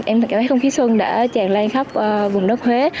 em cảm thấy không khí xuân đã tràn lan khắp vùng đất huế